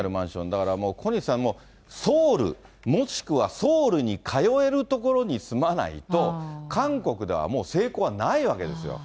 だからもう、小西さん、もうソウル、もしくはソウルに通える所に住まないと、韓国ではもう成功はないわけですよ。